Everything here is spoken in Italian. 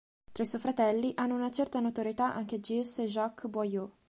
Tra i suoi fratelli, hanno una certa notorietà anche Gilles e Jacques Boileau.